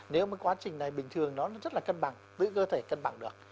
nếu mà quá trình này bình thường nó rất là cân bằng với cơ thể cân bằng được